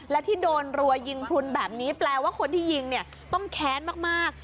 และที่โดนรัวยิงพลุนแบบนี้แปลว่าคนที่ยิงเนี่ยต้องแค้นมาก